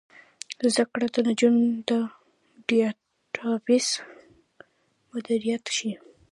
زده کړه نجونو ته د ډیټابیس مدیریت ښيي.